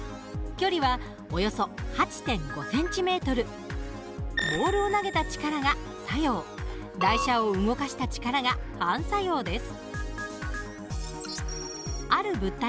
距離はおよそボールを投げた力が作用台車を動かした力が反作用です。